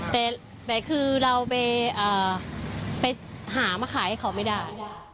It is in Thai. แต่คือเราไปหามาขายให้เขาไม่ได้